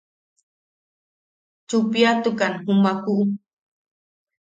Chuppiatukan jumakuʼu.